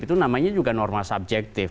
itu namanya juga norma subjektif